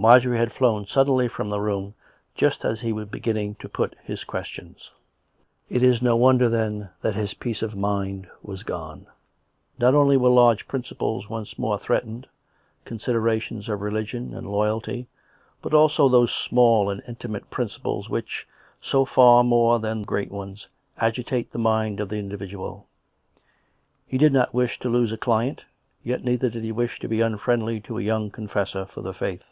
Marjorie had flown suddenly from tlie room just as he was beginning to put his questions. It is no wonder, then, that his peace of mind was gone. Not only w^ere large princijjles once more threatened — con siderations of religion and loyalty, but also those small and intimate principles which, so far more than great ones, agitate the mind of the individual. He did not wish to lose a client; yet neither did he wish to be unfriendly to a young confessor for the faith.